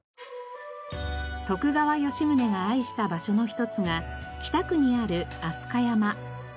徳川吉宗が愛した場所の一つが北区にある飛鳥山。